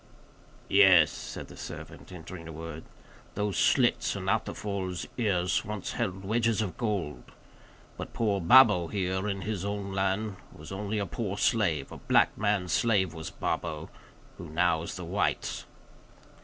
"Yes," said the servant, entering a word, "those slits in Atufal's ears once held wedges of gold; but poor Babo here, in his own land, was only a poor slave; a black man's slave was Babo, who now is the white's."